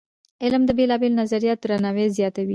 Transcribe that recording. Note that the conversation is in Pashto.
علم د بېلابېلو نظریاتو درناوی زیاتوي.